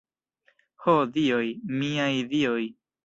Ho dioj, miaj dioj!